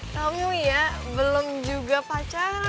kamu ya belum juga pacaran